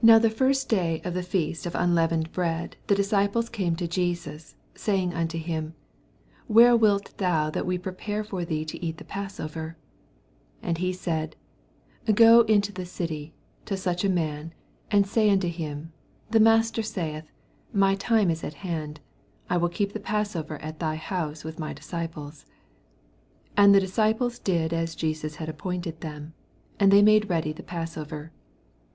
17 Now the first day of the fsad 350 EXPOSITORT THOUGHTS. ^f unleavened bread ihe diBciples oame to Jesus, saying unto him, Where wilt thou that we prepare for thee to eat the Pasaover f 18 And he aaid, Go into the aty to each a man, and aay unto him, The Master aaith, My time is at hand ; I will keep the rassover at thy honae with my disciples. 19 And the disciples did as Jesus iad appointed them ; and they made ready the Passover.